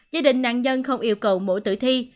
gia đình nạn nhân không yêu cầu mổ tử thi